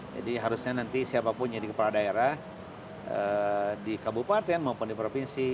jadi harusnya nanti siapapun jadi kepala daerah di kabupaten maupun di provinsi